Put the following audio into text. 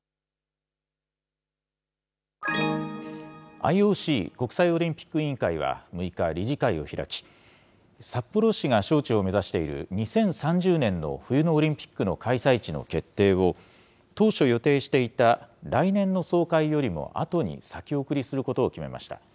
ＩＯＣ・国際オリンピック委員会は６日、理事会を開き、札幌市が招致を目指している２０３０年の冬のオリンピックの開催地の決定を、当初予定していた来年の総会よりもあとに先送りすることを決めました。